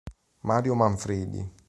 Mario Manfredi